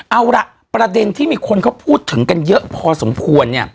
เอาล่ะประเด็นที่มีคนเขาพูดถึงกันเยอะพอสมควร